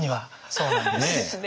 そうなんです。